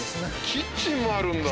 キッチンもあるんだ。